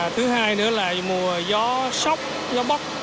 thứ hai nữa là mùa gió sóc gió bóc